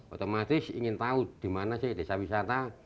otomatis ingin tahu dimana sih desa wisata